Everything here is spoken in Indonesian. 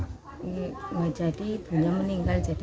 ini enggak jadi ibunya meninggal jadi ini jadi